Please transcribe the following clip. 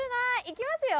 いきますよ！